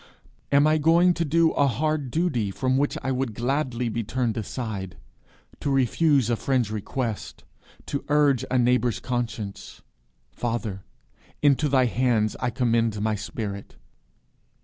Am I going to do a hard duty, from which I would gladly be turned aside, to refuse a friend's request, to urge a neighbour's conscience? Father, into thy hands I commend my spirit.